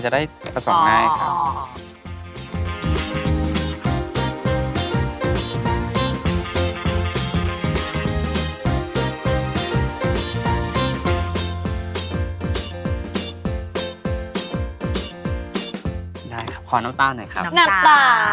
ดีค่ะค่ะขอน้ำตาลหน่อยครับน้ำตาลน้ำตาล